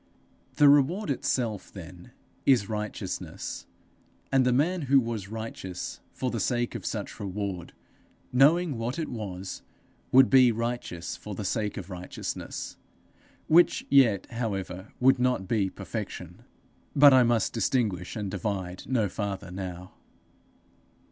The reward itself, then, is righteousness; and the man who was righteous for the sake of such reward, knowing what it was, would be righteous for the sake of righteousness, which yet, however, would not be perfection. But I must distinguish and divide no farther now.